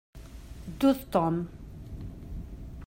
Ddu d Tom.